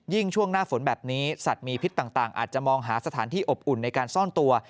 ช่วงหน้าฝนแบบนี้สัตว์มีพิษต่างอาจจะมองหาสถานที่อบอุ่นในการซ่อนตัว